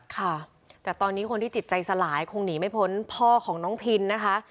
ค่ะแต่ตอนนี้คนที่จิตใจสลายคงหนีไม่พ้นพ่อของน้องพินนะคะ